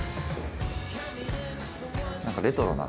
何かレトロな。